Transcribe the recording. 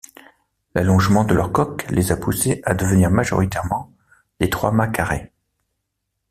L'allongement de leurs coques les a poussés à devenir majoritairement des trois-mâts carrés.